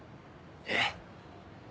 えっ？